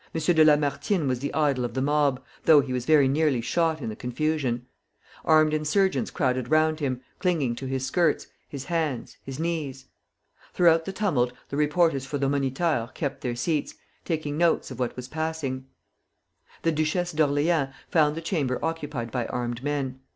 de Lamartine was the idol of the mob, though he was very nearly shot in the confusion. Armed insurgents crowded round him, clinging to his skirts, his hands, his knees. Throughout the tumult the reporters for the "Moniteur" kept their seats, taking notes of what was passing. The Duchess of Orleans found the Chamber occupied by armed men.